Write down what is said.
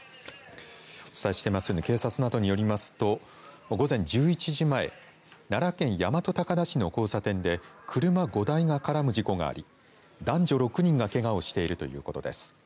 お伝えしていますように警察などによりますと午前１１時前奈良県大和高田市の交差点で車５台が絡む事故があり男女６人がけがをしているということです。